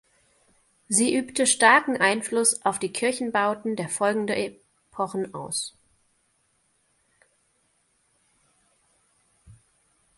Sie übte starken Einfluss auf die Kirchenbauten der folgende Epochen aus.